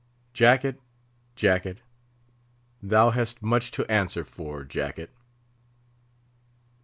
Jacket! jacket! thou hast much to answer for, jacket!